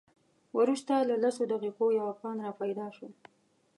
وروسته له لسو دقیقو یو افغان را پیدا شو.